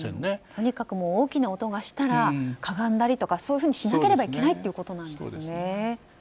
とにかく大きな音がしたら屈んだりとかしなければいけないということなんですね。